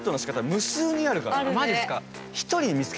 無数にあるから。